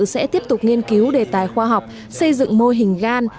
sẽ tiếp tục nghiên cứu đề tài khoa học xây dựng mô hình gan